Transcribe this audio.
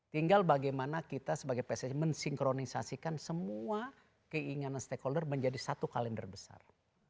tinggal bagaimana kita sebagai pssi mensinkronisasikan semua keinginan stakeholder menjadi satu kalender besar